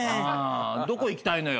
どこ行きたいのよ？